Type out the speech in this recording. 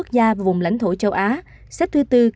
đồng tháp sáu mươi hai